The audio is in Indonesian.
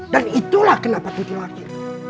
dan itulah kenapa tuti lagi